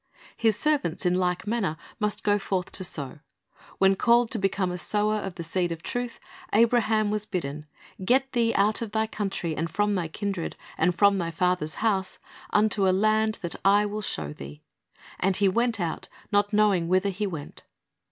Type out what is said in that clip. His servants in like manner must go forth to sow. When called to become a sower of the seed of truth, Abraham was bidden, "Get thee out of thy country, and from thy kindred, and from thy father's house, unto a land that I will show thee." "And he went out, not knowing whither he went."